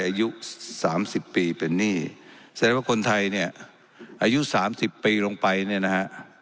อายุสามสิบปีเป็นหนี้แสดงว่าคนไทยเนี่ยอายุสามสิบปีลงไปเนี่ยนะฮะ